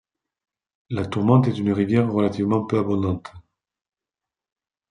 La Tourmente est une rivière relativement peu abondante.